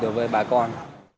đối với bà con